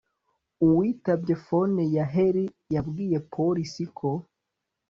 Uwitabye phone ya Henry yabwiye police ko